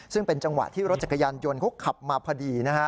ซึ่งเป็นจังหวะที่รถจักรยานยนต์เขาขับมาพอดีนะฮะ